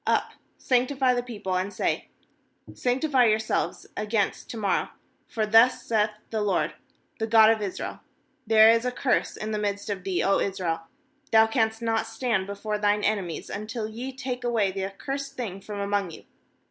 ^Up, sanctify the people, and say: Sanc tify yourselves against to morrow; for thus saith^ the LORD, the God of Israel: There is a curse in the midst of thee, O Israel; thou canst not stand before thine enemies, until ye take away the accursed thing from among you.